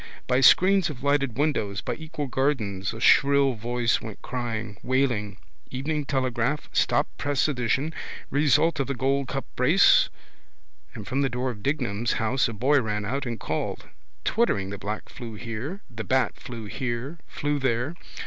By screens of lighted windows, by equal gardens a shrill voice went crying, wailing: Evening Telegraph, stop press edition! Result of the Gold Cup races! and from the door of Dignam's house a boy ran out and called. Twittering the bat flew here, flew there.